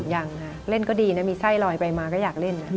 ยังค่ะเล่นก็ดีนะมีไส้ลอยไปมาก็อยากเล่นนะ